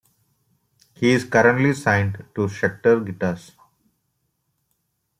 He is currently signed to Schecter Guitars.